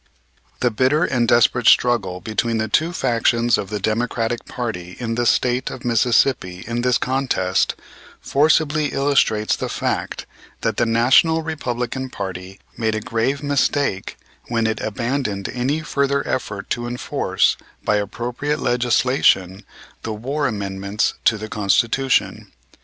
The bitter and desperate struggle between the two factions of the Democratic party in the State of Mississippi in this contest, forcibly illustrates the fact that the National Republican party made a grave mistake when it abandoned any further effort to enforce by appropriate legislation the war amendments to the Constitution.